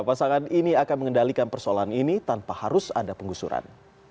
pasangan ini akan mengendalikan persoalan ini tanpa harus ada penggusuran